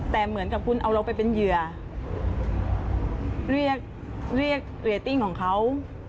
แต่เหมือนกับคุณเอาเราไปเป็นเหยื่อเรียกเรตติ้งของเขา